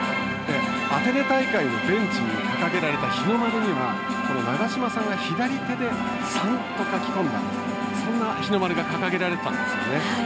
アテネ大会のベンチに掲げられた日の丸には長嶋さんが左手で「３」と書き込んだそんな日の丸が掲げられていたんですよね。